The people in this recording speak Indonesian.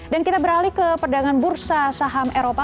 dan kita beralih ke perdagangan bursa saham eropa